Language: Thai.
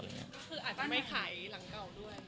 ก็คืออาจจะไม่ขายหลังเก่าด้วย